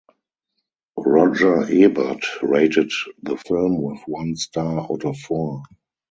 Roger Ebert rated the film with one star out of four.